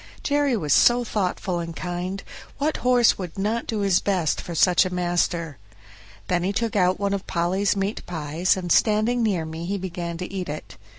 Jerry was so thoughtful and kind what horse would not do his best for such a master? Then he took out one of Polly's meat pies, and standing near me, he began to eat it.